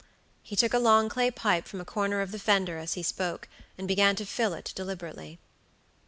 He took a long clay pipe from a corner of the fender as he spoke, and began to fill it deliberately.